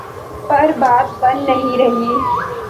پر بات بن نہیں رہی۔